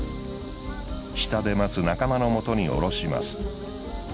下で待つ仲間の元に下ろします。